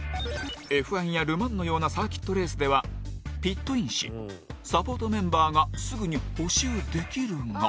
Ｆ１やル・マンのようなサーキットレースではピットインしサポートメンバーがすぐに補修できるが。